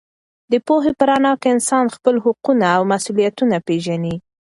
د پوهې په رڼا کې انسان خپل حقونه او مسوولیتونه پېژني.